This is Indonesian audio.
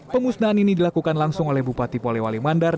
pemusnahan ini dilakukan langsung oleh bupati polewali mandar